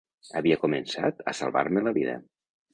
Havia començat a salvar-me la vida.